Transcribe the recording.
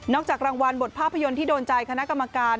จากรางวัลบทภาพยนตร์ที่โดนใจคณะกรรมการ